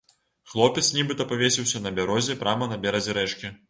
Хлопец нібыта павесіўся на бярозе прама на беразе рэчкі.